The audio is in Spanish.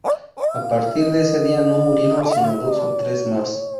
A partir de ese día no murieron sino dos o tres más.